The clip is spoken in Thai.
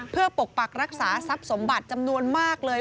เพื่อปกปักรักษาทรัพย์สมบัติจำนวนมากเลย